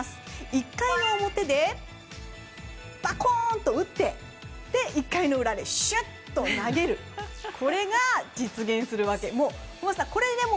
１回の表でバコンと打って１回の裏でシュッと投げるこれが実現するわけなんです。